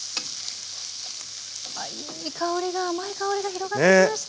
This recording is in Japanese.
ああいい香りが甘い香りが広がってきました。